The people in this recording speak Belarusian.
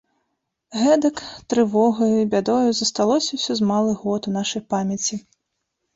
Гэтак, трывогаю і бядою, засталося ўсё з малых год у нашай памяці.